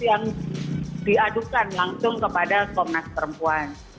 yang diadukan langsung kepada komnas perempuan